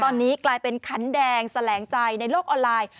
ตอนนี้กลายเป็นขันแดงแสลงใจในโลกออนไลน์